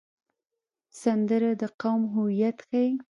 سندره د قوم هویت ښيي